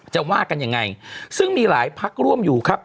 ว่ากันยังไงซึ่งมีหลายพักร่วมอยู่ครับ